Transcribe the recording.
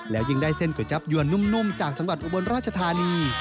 แล้วยิ่งได้เส้นก๋วยจับยวนนุ่มจากจังหวัดอุบลราชธานี